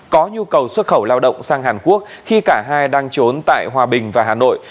có nhu cầu xuất khẩu lao động sang hàn quốc khi cả hai đang trốn tại hòa bình và hà nội